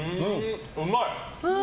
うまい。